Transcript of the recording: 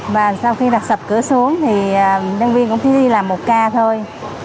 và sau khi đặt sập cửa xuống thì nhân viên cũng chỉ đi làm một ca thôi